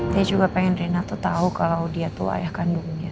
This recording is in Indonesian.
tapi juga pengen rina tuh tau kalau dia tuh ayah kandungnya